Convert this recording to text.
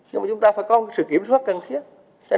nhưng mà chúng ta phải có sự kiểm soát cần thiết